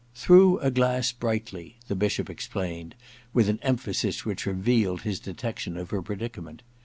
•" Through a Glass Brightly," ' the Bishop explained, with an emphasis which revealed his detection of her predicament.